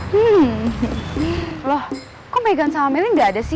hmm loh kok megan sama melly gak ada sih